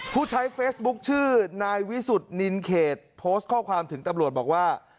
ผู้ใช้เฟซบุ๊คชื่อนายวิสุทธิ์นินเขตโพสต์ข้อความถึงตำรวจบอกว่า